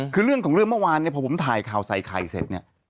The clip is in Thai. คือเรื่องของเรื่องเมื่อวานเนี่ยพอผมถ่ายข่าวใส่ไข่เสร็จเนี่ย